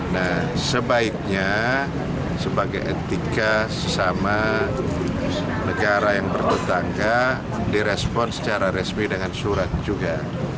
nah sebaiknya sebagai etika sesama negara yang bertetangga direspon secara resmi dengan surat juga